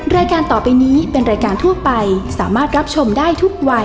รายการต่อไปนี้เป็นรายการทั่วไปสามารถรับชมได้ทุกวัย